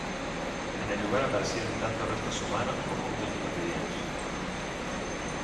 En el lugar aparecieron tanto restos humanos como útiles cotidianos.